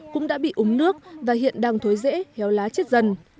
cũng đã bị úng nước và hiện đang thối rễ héo lá chết dần